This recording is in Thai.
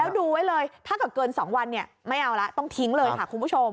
แล้วดูไว้เลยถ้าเกิดเกิน๒วันไม่เอาละต้องทิ้งเลยค่ะคุณผู้ชม